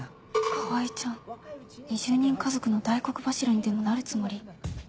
川合ちゃん２０人家族の大黒柱にでもなるつもり？